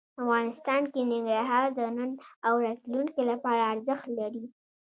افغانستان کې ننګرهار د نن او راتلونکي لپاره ارزښت لري.